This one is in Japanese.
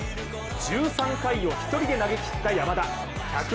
１３回を一人で投げきった山田。